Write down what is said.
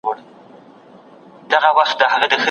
په کور کې مساوي شپه تېرول فرض دي.